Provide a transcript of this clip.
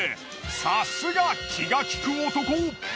さすが気が利く男。